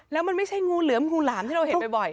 แล้วมันไม่ใช่งูเหลือมงูหลามที่เราเห็นบ่อย